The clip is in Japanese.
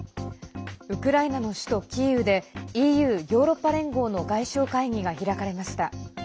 ウクライナの首都キーウでＥＵ＝ヨーロッパ連合の外相会議が開かれました。